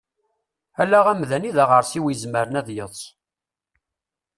Ala amdan i daɣersiw izemren ad yeḍs.